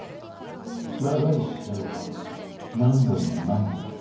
「長い白髪が何本も何本も」って。